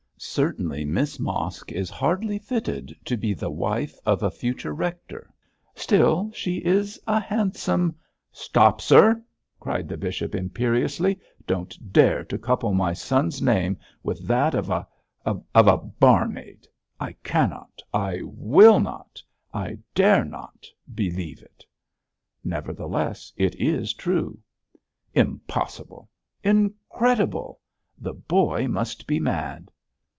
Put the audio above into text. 'Certainly Miss Mosk is hardly fitted to be the wife of a future rector still, she is a handsome ' 'Stop, sir!' cried the bishop, imperiously, 'don't dare to couple my son's name with that of of of a barmaid. I cannot I will not I dare not believe it!' 'Nevertheless, it is true!' 'Impossible! incredible! the boy must be mad!'